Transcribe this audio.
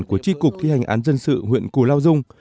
của tri cục thi hành án dân sự huyện cù lao dung